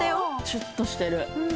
シュッとしてる。